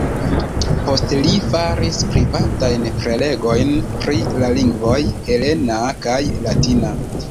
Post li faris privatajn prelegojn pri la lingvoj helena kaj latina.